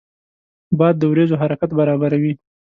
باد د وریځو حرکت برابروي